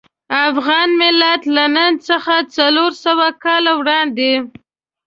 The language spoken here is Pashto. افغان ملت له نن څخه څلور سوه کاله وړاندې.